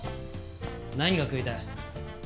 何が食いたい？